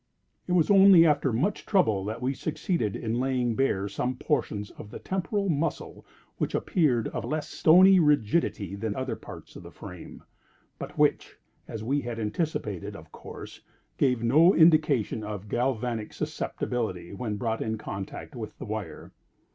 It was only after much trouble that we succeeded in laying bare some portions of the temporal muscle which appeared of less stony rigidity than other parts of the frame, but which, as we had anticipated, of course, gave no indication of galvanic susceptibility when brought in contact with the wire.